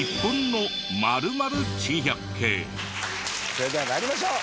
それでは参りましょう。